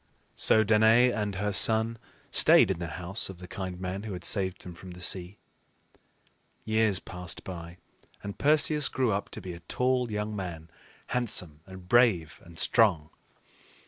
So Danaë and her son stayed in the house of the kind man who had saved them from the sea. Years passed by, and Perseus grew up to be a tall young man, handsome, and brave, and strong.